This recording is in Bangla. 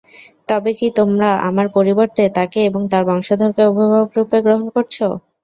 তবে কি তোমরা আমার পরিবর্তে তাকে এবং তার বংশধরকে অভিভাবকরূপে গ্রহণ করছ?